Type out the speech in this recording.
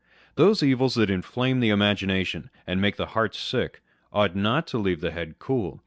Those evils that inflame the imagination and make the heart sick, ought not to leave the head cool.